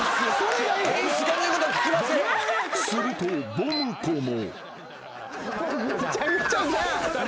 ［するとボム子も］